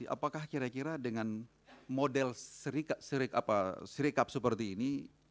apakah kira kira dengan model sirikap seperti ini